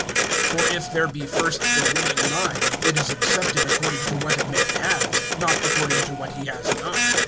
(12)For if there be first the willing mind, it is accepted according to what a man has, not according to what he has not.